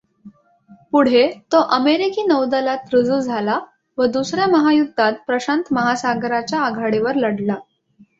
पुढे तो अमेरिकी नौदलात रुजू झाला व दुसर् या महायुद्धात प्रशांत महासागराच्या आघाडीवर लढला.